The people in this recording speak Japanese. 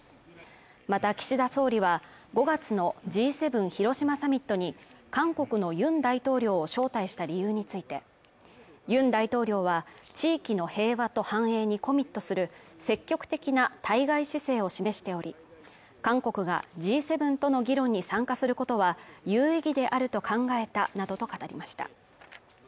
また岸田総理は５月のＧ７広島サミットに韓国のユン大統領を招待した理由についてユン大統領は地域の平和と繁栄にコミットする積極的な対外姿勢を示しており、韓国がＧ７との議論に参加することは有意義であると考えたなどと語りました。